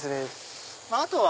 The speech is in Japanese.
あとは。